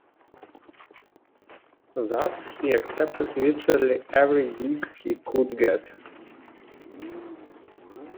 Thus, he accepted virtually every gig he could get.